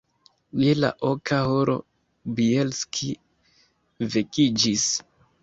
Je la oka horo Bjelski vekiĝis.